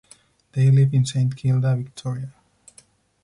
They live in Saint Kilda, Victoria.